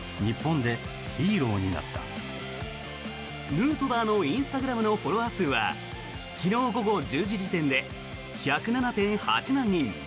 ヌートバーのインスタグラムのフォロワー数は昨日午後１０時時点で１０７．８万人。